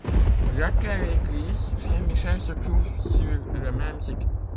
L'actuelle église Saint-Michel se trouve sur le même site.